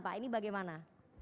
pak ini bagaimana